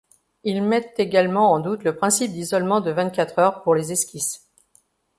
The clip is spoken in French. Ils mettent également en doute le principe d'isolement de vingt-quatre heures pour les esquisses.